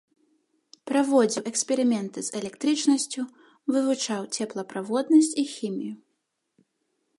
Праводзіў эксперыменты з электрычнасцю, вывучаў цеплаправоднасць і хімію.